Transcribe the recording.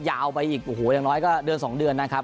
ยาวไปอีกอย่างน้อยก็เดือนสองเดือนนะครับ